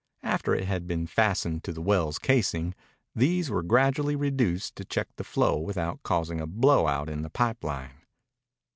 After it had been fastened to the well's casing, these were gradually reduced to check the flow without causing a blowout in the pipe line.